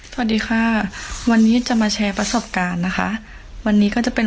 สวัสดีค่ะวันนี้จะมาแชร์ประสบการณ์นะคะวันนี้ก็จะเป็น